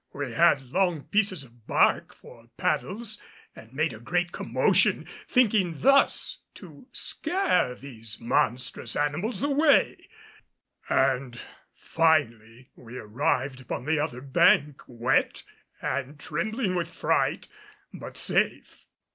We had long pieces of bark for paddles, and made a great commotion, thinking thus to scare these monstrous animals away; and finally we arrived upon the other bank, wet, and trembling with fright, but safe.